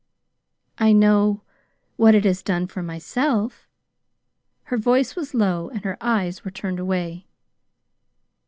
"I know what it has done for myself." Her voice was low, and her eyes were turned away.